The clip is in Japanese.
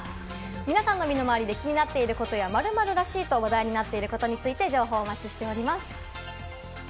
皆さんの身の回りで気になっていること、「○○らしい」と話題になっていることなど、続々情報をお待ちしています。